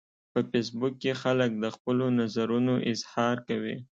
په فېسبوک کې خلک د خپلو نظرونو اظهار کوي